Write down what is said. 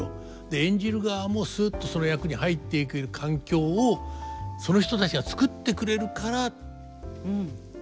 演じる側もすっとその役に入っていける環境をその人たちが作ってくれるからできるんですよね。